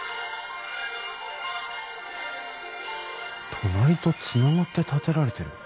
隣とつながって建てられてる。